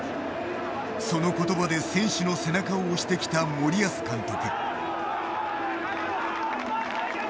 その言葉で、選手の背中を押してきた森保監督。